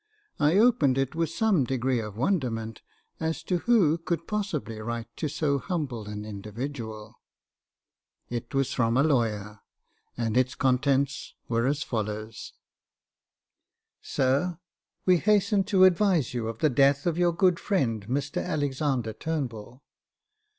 I opened it with some degree of wonderment, as to who could possibly write to so humble an individual. It was from a lawyer, and its contents were as follows :—Sir, — We hasten to advise you of the death of your good friend Mr Alexander Turnbull.